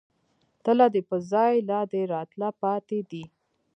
تله دې په ځائے، لا دې راتله پاتې دي